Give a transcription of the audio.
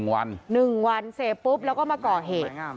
๑วัน๑วันเสพปุ๊บแล้วก็มาก่อเหตุ